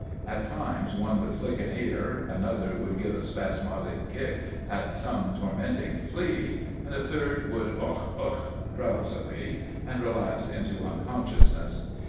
At times one would flick an ear; another would give a spasmodic kick at some tormenting flea, and a third would "Ugh! Ugh!" drowsily, and relapse into unconsciousness.